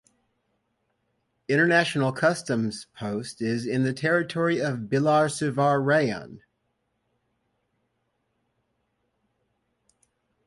International customs post is in the territory of Bilasuvar Rayon.